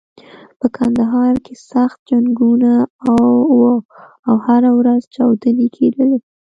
په کندهار کې سخت جنګونه و او هره ورځ چاودنې کېدلې.